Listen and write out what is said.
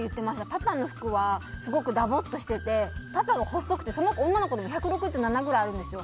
パパの服はすごくだぼっとしていてパパが細くて、その女の子も１６７くらいあるんですよ。